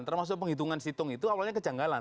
termasuk penghitungan situng itu awalnya kejanggalan